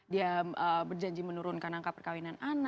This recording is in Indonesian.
dia berjanji menurunkan angka perkawinan anak